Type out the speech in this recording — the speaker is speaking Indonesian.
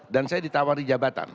dan saya ditawari jabatan